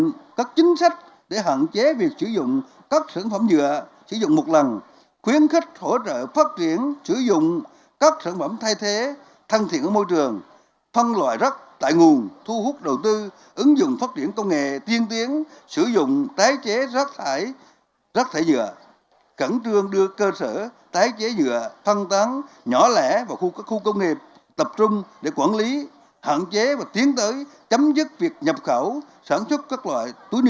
quyết định các chính sách để hạn chế việc sử dụng các sản phẩm nhựa sử dụng một lần khuyến khích hỗ trợ phát triển sử dụng các sản phẩm thay thế thân thiện ở môi trường phân loại rắc tại nguồn thu hút đầu tư ứng dụng phát triển công nghệ tiên tiến sử dụng tái chế rác thải nhựa cẩn trương đưa cơ sở tái chế nhựa phân tán nhỏ lẻ vào khu công nghiệp tập trung để quản lý hạn chế và tiến tới chấm dứt việc nhập khẩu sản xuất công nghệ tập trung để quản lý hạn chế và tiến tới